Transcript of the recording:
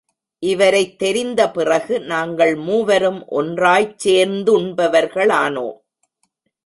இவரைத் தெரிந்த பிறகு, நாங்கள் மூவரும் ஒன்றாய்ச் சேர்ந்துண் பவர்களானோம்.